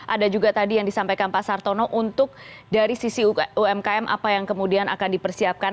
ada juga tadi yang disampaikan pak sartono untuk dari sisi umkm apa yang kemudian akan dipersiapkan